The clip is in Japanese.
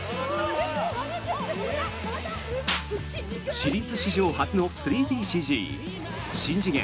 シリーズ史上初の３ＤＣＧ「しん次元！